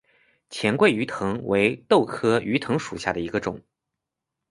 黔桂鱼藤为豆科鱼藤属下的一个种。